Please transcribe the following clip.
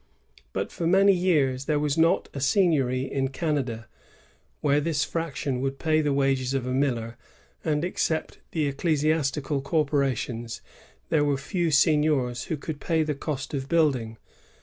But for many years there was not a seigniory in Canada where this frac tion would pay the wages of a miller; and, except the ecclesiastical corporations, there were few seign iors who could pay the cost of building.